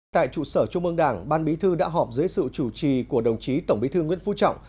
tại trụ sở trung ương đảng ban bí thư đã họp dưới sự chủ trì của đồng chí tổng bí thư nguyễn phú trọng